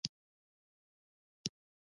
د خپل ځواکمنتوب لپاره یې ورڅخه استفاده کوله.